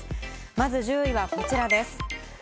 まず１０位はこちらです。